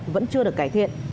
vẫn chưa được cải thiện